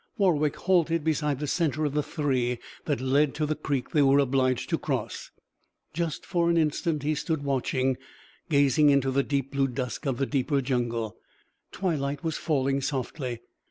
Warwick halted beside the centre of the three that led to the creek they were obliged to cross. Just for an instant he stood watching, gazing into the deep blue dusk of the deeper jungle. Twilight was falling softly.